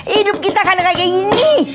hidup kita karena kayak gini